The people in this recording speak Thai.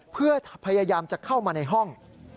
เพื่อพยายามจะเข้ามาในห้อง